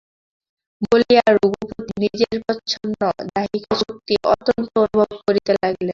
বলিয়া রঘুপতি নিজের প্রচ্ছন্ন দাহিকাশক্তি অত্যন্ত অনুভব করিতে লাগিলেন।